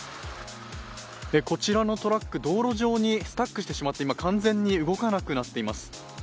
こちらのトラック、道路上にスタックしてしまって今、完全に動かなくなっています。